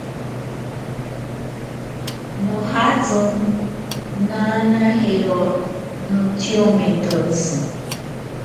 Nojatsi nanajero notsiomentotsi.